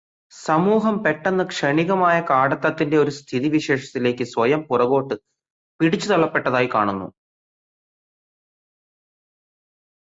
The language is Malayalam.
സമൂഹം പെട്ടെന്ന് ക്ഷണികമായ കാടത്തത്തിന്റെ ഒരു സ്ഥിതി വിശേഷത്തിലേയ്ക്ക് സ്വയം പുറകോട്ടു പിടിച്ചുതള്ളപ്പെട്ടതായി കാണുന്നു.